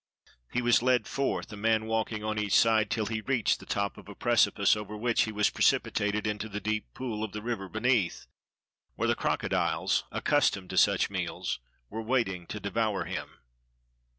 He was led forth, a man walking on each side, till he reached the top of a precipice, over which he was precipitated into the deep pool of the river beneath, where the crocodiles, accustomed to such meals, were waiting to devour him.